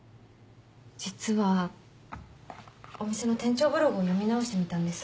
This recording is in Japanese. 実はお店の店長ブログを読み直してみたんです。